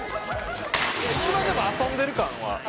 一番でも遊んでる感は。